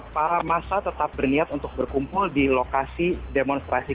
para masa tetap berniat untuk berkumpul di lokasi demonstrasi